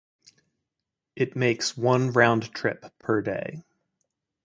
It makes one round trip per day.